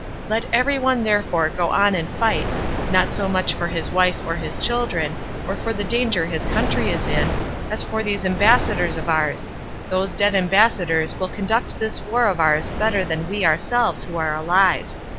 Let every one therefore go on and fight, not so much for his wife or his children, or for the danger his country is in, as for these ambassadors of ours; those dead ambassadors will conduct this war of ours better than we ourselves who are alive.